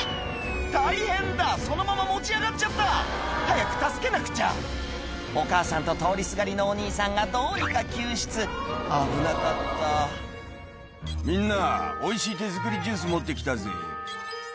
大変だそのまま持ち上がっちゃった早く助けなくちゃお母さんと通りすがりのお兄さんがどうにか救出危なかった「みんなおいしい手作りジュース持って来たぜ」